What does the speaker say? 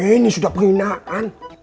ini sudah penghinaan